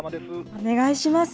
お願いします。